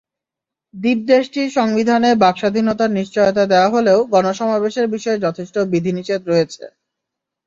দ্বীপ দেশটির সংবিধানে বাক্স্বাধীনতার নিশ্চয়তা দেওয়া হলেও গণসমাবেশের বিষয়ে যথেষ্ট বিধিনিষেধ রয়েছে।